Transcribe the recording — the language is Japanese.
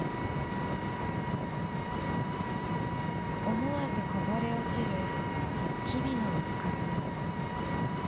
思わずこぼれ落ちる日々の鬱屈。